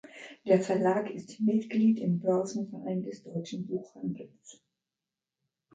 Der Verlag ist Mitglied im Börsenverein des Deutschen Buchhandels.